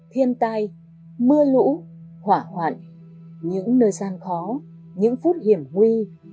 thiên tai mưa lũ hỏa hoạn những nơi gian khó những phút hiểm huy